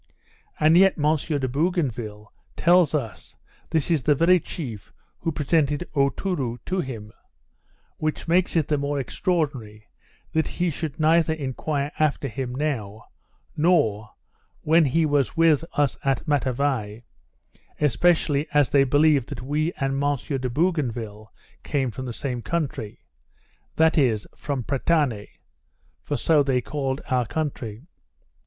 And yet M. de Bougainville tells us, this is the very chief who presented Aotourou to him; which makes it the more extraordinary, that he should neither enquire after him now, nor when he was with us at Matavai, especially as they believed that we and M. de Bougainville came from the same country, that is, from Pretane, for so they called our country.